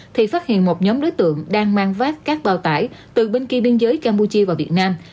thì phát hiện một nhóm đối tượng đang mang vác các bao tải từ bên kia biên giới campuchia vào việt nam